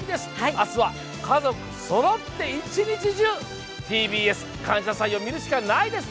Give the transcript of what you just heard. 明日は家族そろって、一日中、ＴＢＳ「感謝祭」を見るしかないです！